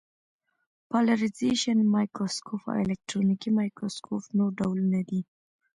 پالرېزېشن مایکروسکوپ او الکترونیکي مایکروسکوپ نور ډولونه دي.